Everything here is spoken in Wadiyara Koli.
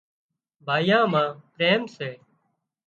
ڀائيان مان پريم سي